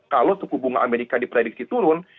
kalau suku bunga amerika diprediksi turun